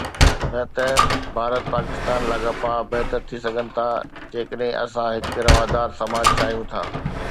نه ته ڀارت پاڪستان لاڳاپا بهتر ٿي سگهن ٿا جيڪڏهن اسان هڪ روادار سماج چاهيون ٿا.